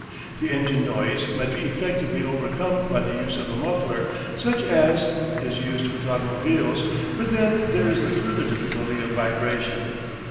The engine noise might be effectively overcome by the use of a muffler such as, is used with automobiles, but then there is the further difficulty of vibration.